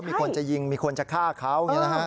มีคนจะยิงมีคนจะฆ่าเขา